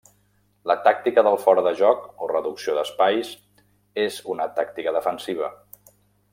La tàctica del fora de joc, o reducció d'espais, és una tàctica defensiva.